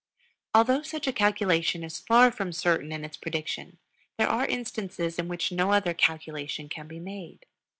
Although such a calculation is far from certain in its prediction, there are instances in which no other calculation can be made.